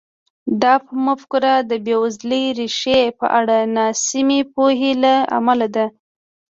دا مفکوره د بېوزلۍ ریښې په اړه ناسمې پوهې له امله ده.